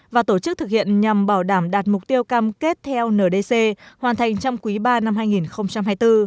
và tổ chức thực hiện nhằm bảo đảm đạt mục tiêu cam kết theo ndc hoàn thành trong quý ba năm hai nghìn hai mươi bốn